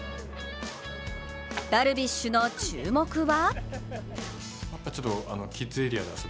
ダルビッシュの注目は？